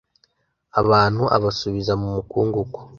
Abantu ubasubiza mu mukungugu